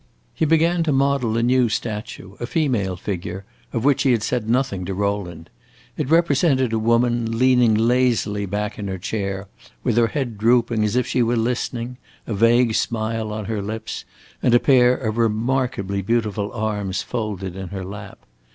He began to model a new statue a female figure, of which he had said nothing to Rowland. It represented a woman, leaning lazily back in her chair, with her head drooping as if she were listening, a vague smile on her lips, and a pair of remarkably beautiful arms folded in her lap.